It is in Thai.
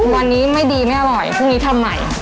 วันนี้ไม่ดีไม่อร่อยพรุ่งนี้ทำใหม่